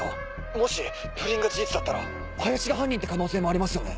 もし不倫が事実だったら林が犯人って可能性もありますよね？